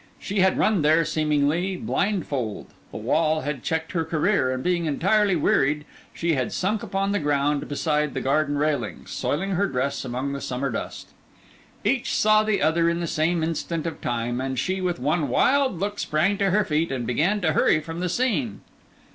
She had run there, seemingly, blindfold; the wall had checked her career: and being entirely wearied, she had sunk upon the ground beside the garden railings, soiling her dress among the summer dust. Each saw the other in the same instant of time; and she, with one wild look, sprang to her feet and began to hurry from the scene.